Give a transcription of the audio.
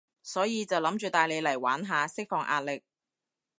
所以就諗住帶你嚟玩下，釋放壓力